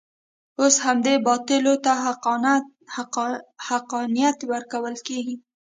اوس همدې باطلو ته حقانیت ورکول کېږي.